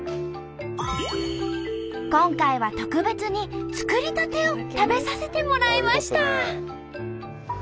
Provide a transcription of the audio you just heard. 今回は特別に作りたてを食べさせてもらいました。